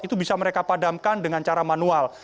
itu bisa mereka padamkan dengan cara manual